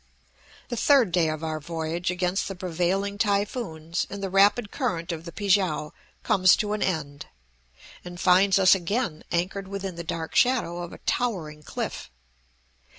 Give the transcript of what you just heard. The third day of our voyage against the prevailing typhoons and the rapid current of the Pi kiang, comes to an end, and finds us again anchored within the dark shadow of a towering cliff.